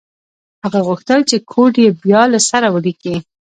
هغه غوښتل چې کوډ یې بیا له سره ولیکي